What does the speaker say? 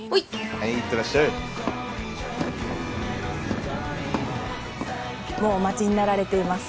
はい行ってらっしゃいもうお待ちになられています